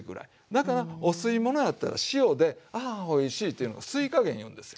だからお吸い物やったら塩でああおいしいっていうのが「吸いかげん」言うんですよ。